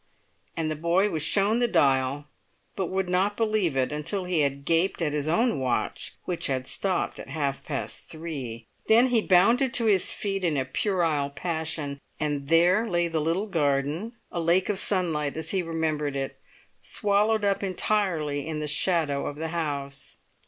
And the boy was shown the dial, but would not believe it until he had gaped at his own watch, which had stopped at half past three. Then he bounded to his feet in a puerile passion, and there lay the little garden, a lake of sunlight as he remembered it, swallowed up entirely in the shadow of the house.